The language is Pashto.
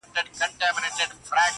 پر یوه بیرغ به ټول سي اولسونه!.